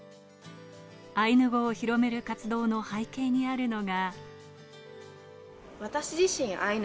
アイヌ語を広める活動の背景にあるのが。